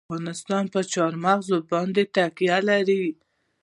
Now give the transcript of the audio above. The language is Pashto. افغانستان په چار مغز باندې تکیه لري.